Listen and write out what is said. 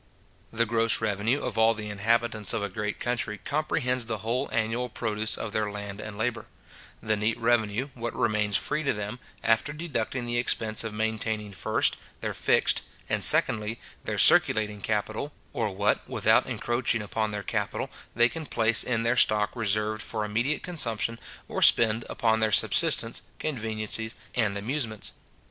The gross revenue of all the inhabitants of a great country comprehends the whole annual produce of their land and labour; the neat revenue, what remains free to them, after deducting the expense of maintaining first, their fixed, and, secondly, their circulating capital, or what, without encroaching upon their capital, they can place in their stock reserved for immediate consumption, or spend upon their subsistence, conveniencies, and amusements.